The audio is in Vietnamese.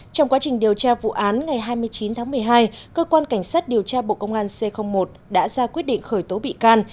trong quá trình điều tra vụ án ngày hai mươi chín tháng một mươi hai cơ quan cảnh sát điều tra bộ công an c một đã ra quyết định khởi tố bị can